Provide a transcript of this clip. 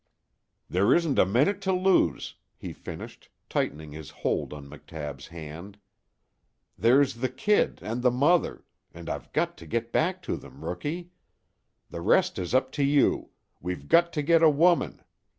"There isn't a minute to lose," he finished, tightening his hold on McTabb's hand. "There's the kid and the mother, and I've got to get back to them, Rookie. The rest is up to you. We've got to get a woman.